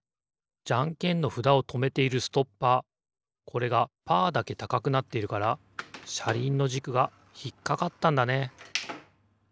じゃんけんのふだをとめているストッパーこれがパーだけたかくなっているからしゃりんのじくがひっかかったんだね。